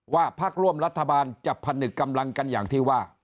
พักร่วมรัฐบาลจะผนึกกำลังกันอย่างที่ว่า